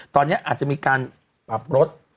ตอนนี้อาจจะมีการปรับลด